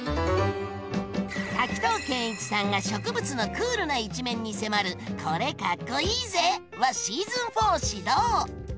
滝藤賢一さんが植物のクールな一面に迫る「これ、かっこイイぜ！」はシーズン４始動！